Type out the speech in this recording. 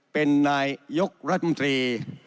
เป็นนายยกรัฐมนตรี